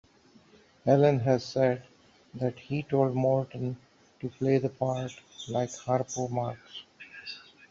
Allen has said that he told Morton to play the part like Harpo Marx.